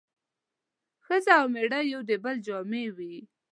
ښځه او مېړه د يو بل جامې وي